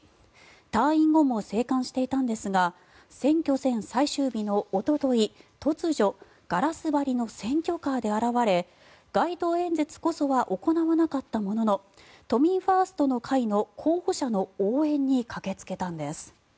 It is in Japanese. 退院後も静観していたんですが選挙戦最終日のおととい突如ガラス張りの選挙カーで現れ街頭演説こそは行わなかったものの都民ファーストの会の候補者の応援に駆けつけたんです。